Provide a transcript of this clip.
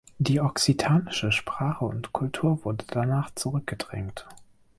Die okzitanische Sprache und Kultur wurde danach zurückgedrängt.